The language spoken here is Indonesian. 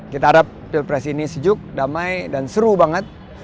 kita harap pilpres ini sejuk damai dan seru banget